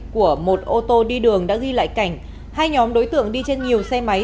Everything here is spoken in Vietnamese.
của một ô tô đi đường đã ghi lại cảnh hai nhóm đối tượng đi trên nhiều xe máy